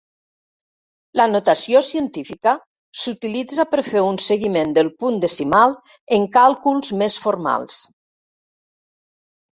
La notació científica s'utilitza per fer un seguiment del punt decimal en càlculs més formals.